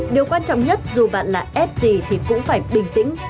điều quan trọng nhất dù bạn là f gì thì cũng phải bình tĩnh